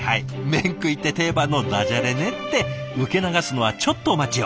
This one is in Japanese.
「めん食い」って定番のだじゃれねって受け流すのはちょっとお待ちを。